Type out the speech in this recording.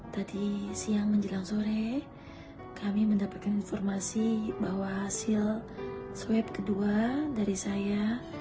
dua ribu dua puluh tadi siang menjelang sore kami mendapatkan informasi bahwa hasil sweep kedua dari saya